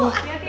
sial lagi ya